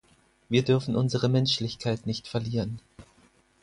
Wir dürfen unsere Menschlichkeit nicht verlieren.